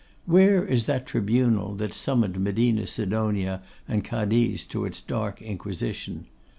Where is that tribunal that summoned Medina Sidonia and Cadiz to its dark inquisition?